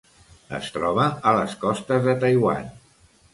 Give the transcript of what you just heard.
Es troba a les costes de Taiwan.